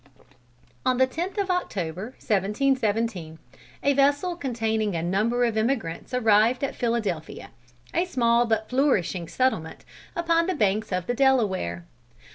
On the 10th of October, 1717, a vessel containing a number of emigrants arrived at Philadelphia, a small but flourishing settlement upon the banks of the Delaware.